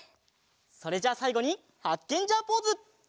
それじゃあさいごにハッケンジャーポーズ！